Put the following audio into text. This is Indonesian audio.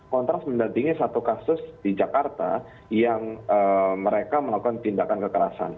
kontras mendatangi satu kasus di jakarta yang mereka melakukan tindakan kekerasan